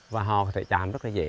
và họ có thể chạm rất là dễ